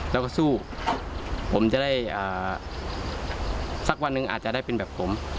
แล้วก็สู้ผมจะได้สักวันหนึ่งอาจจะได้เป็นแบบผม